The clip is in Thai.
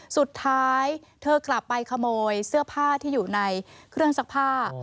สุดท้ายเธอกลับไปขโมยเสื้อผ้าที่อยู่ในเครื่องซักผ้า